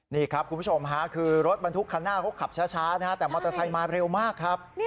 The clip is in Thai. นี่ครับคุณผู้ชมฮะคือรถบรรทุกคันหน้าเขาขับช้านะฮะแต่มอเตอร์ไซค์มาเร็วมากครับ